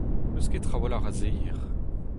N'eus ket trawalc'h a seier.